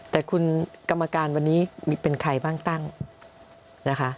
แต่คุณกรรมการวันนี้เป็นใครบ้างตั้งนะคะ